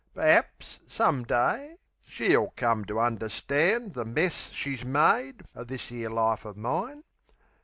Per'aps, some day, she'll come to understand The mess she's made o' this 'ere life o' mine.